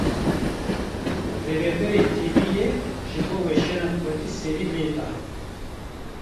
Rivebirê tv yê, ji bo weşana Kurdî serî lê da